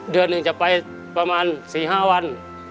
เดือนหนึ่งจะไปประมาณ๔๕วัน